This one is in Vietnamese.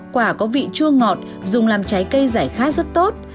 quả có vị chua ngọt dùng làm trái cây giải khát rất tốt